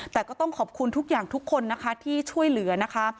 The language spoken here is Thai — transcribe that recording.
แต่ก็ต้องขอบคุณทุกอย่างทุกคนนะคะที่ช่วยเหลือนะคะ